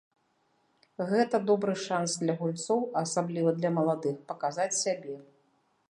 Гэта добры шанс для гульцоў, асабліва для маладых, паказаць сябе.